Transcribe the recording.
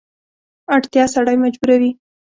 اړتیا سړی مجبوروي.